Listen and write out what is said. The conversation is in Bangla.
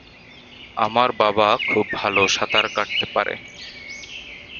আমার বাবা খুব ভাল সাঁতার কাটতে পারে।